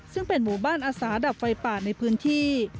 ซึ่งเป็นหมู่บ้านอาสาดับไฟป่าในพื้นที่